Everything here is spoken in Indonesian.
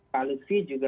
pak lutfi juga